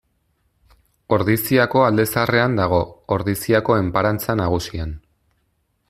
Ordiziako Alde Zaharrean dago, Ordiziako enparantza nagusian.